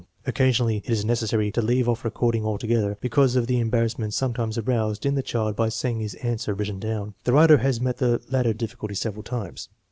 Occasionally it is necessary to leave off recording altogether because of the embarrassment sometimes aroused in the child by seeing his answer written down. The writer has met the latter difficulty several times.